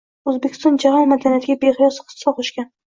O‘zbekiston jahon madaniyatiga beqiyos hissa qo‘shgan